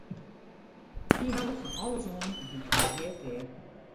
Hy hellet fan alles oan en hy krijt neat klear.